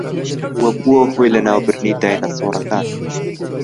و بووە هۆی لەناوبردنی دایناسۆرەکان